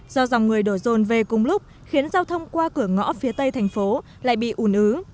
do dòng người đổ rồn về cùng lúc khiến giao thông qua cửa ngõ phía tây thành phố lại bị ủn ứ